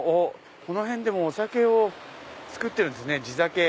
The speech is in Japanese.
この辺でもお酒を造ってるんですね地酒。